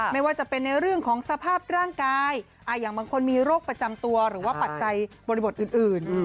ไม่ว่าจะเป็นในเรื่องของสภาพร่างกายอย่างบางคนมีโรคประจำตัวหรือว่าปัจจัยบริบทอื่น